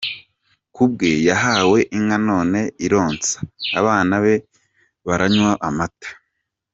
Ku bwe yahawe inka none ironsa, abana be baranywa amata.